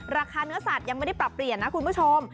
ราคาเนื้อสัตว์ยังไม่ได้ปรับเปลี่ยนนะคุณผู้ชม